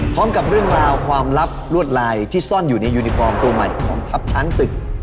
พร้อมกับเรื่องราวความลับลวดลายที่ซ่อนอยู่ในยูนิฟอร์มตัวใหม่ของทัพช้างศึก